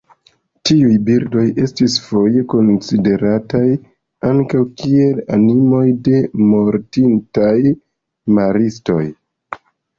Tiuj birdoj estis foje konsiderataj ankaŭ kiel animoj de mortintaj maristoj.